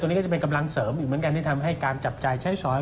นี้ก็จะเป็นกำลังเสริมอีกเหมือนกันที่ทำให้การจับจ่ายใช้สอย